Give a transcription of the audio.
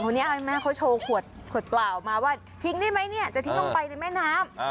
เมื่อแม่เขาโชว์ขวดปล่าออกมาว่าทิ้งได้ไหมจะทิ้งลงไปในแม่น้ำ